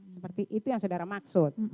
seperti itu yang saudara maksud